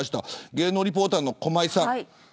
芸能リポーターの駒井さん。